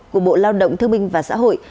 của bộ lao động thương minh và xã hội